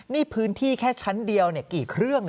นี่พื้นที่แค่ชั้นเดียวกี่เครื่อง